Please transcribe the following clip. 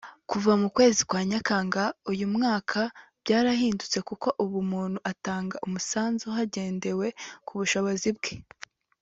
Kuva mu kwezi kwa Nyakanga uyu mwaka byarahindutse kuko ubu umuntu atanga umusanzu hagendewe ku bushobozi bwe